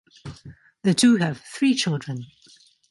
The two have three children.